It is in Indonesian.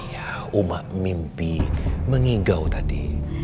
iya uma mimpi mengigau tadi